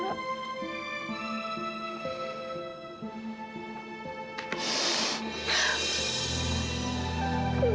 terima kasih mila